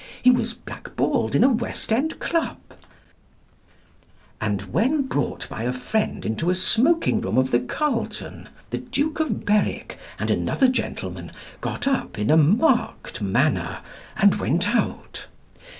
He was black balled in a West End Club, "and when brought by a friend into a smoking room of the Carlton, the Duke of Berwick and another gentleman got up in a marked manner and went out.